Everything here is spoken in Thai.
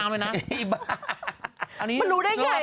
ลงลากตายนะคุณแม่มันรู้ได้ไง